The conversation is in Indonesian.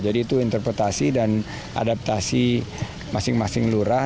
jadi itu interpretasi dan adaptasi masing masing lurah